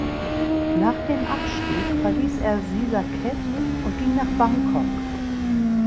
Nach dem Abstieg verließ er Sisaket und ging nach Bangkok.